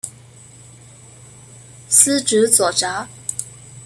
司职左闸。